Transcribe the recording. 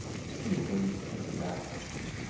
Yuba yeffeɣ-it leɛqel.